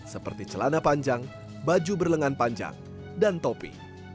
seperti celana panjang baju berlengan panjang dan topi